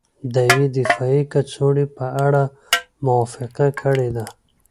د یوې دفاعي کڅوړې په اړه موافقه کړې ده